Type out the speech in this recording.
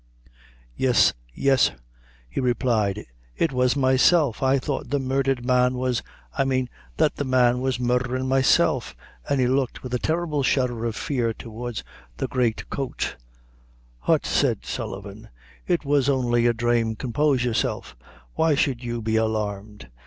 "Yes, yesr" he replied; "it was myself. I thought the murdhered man was I mean, that the man was murdherin' myself." And he looked with a terrible shudder of fear towards the great coat. "Hut," said Sullivan, "it was only a drame; compose yourself; why should you be alarmed?